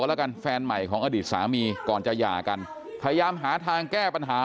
แล้วกันแฟนใหม่ของอดีตสามีก่อนจะหย่ากันพยายามหาทางแก้ปัญหา